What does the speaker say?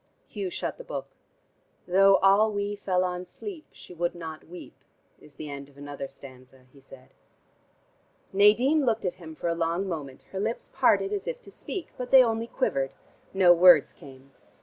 Hugh shut the book. "'Though all we fell on sleep, she would not weep,' is the end of another stanza," he said. Nadine looked at him for a long moment, her lips parted as if to speak, but they only quivered; no words came.